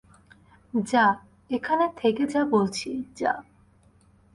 যা, এখান থেকে যা বলছি, যা।